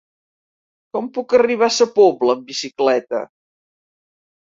Com puc arribar a Sa Pobla amb bicicleta?